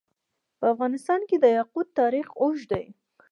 په افغانستان کې د یاقوت تاریخ اوږد دی.